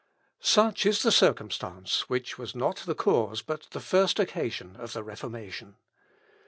Such is the circumstance, which was not the cause, but the first occasion of the Reformation.